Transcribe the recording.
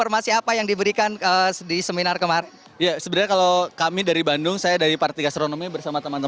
mas seto sendiri dari bandung datang ke sini